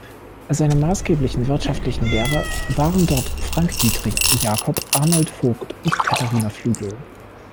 Seine maßgeblichen wissenschaftlichen Lehrer waren dort Frank-Dietrich Jacob, Arnold Vogt und Katharina Flügel.